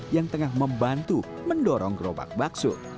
yang tengah membantu mendorong gerobak bakso